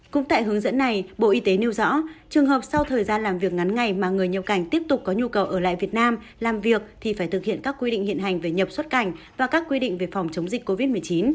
cũng tại hướng dẫn này bộ y tế nêu rõ trường hợp sau thời gian làm việc ngắn ngày mà người nhập cảnh tiếp tục có nhu cầu ở lại việt nam làm việc thì phải thực hiện các quy định hiện hành về nhập xuất cảnh và các quy định về phòng chống dịch covid một mươi chín